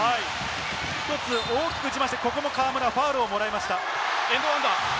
１つ大きく行きまして、ここもファウルをもらいました。